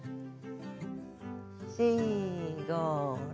４、５、６。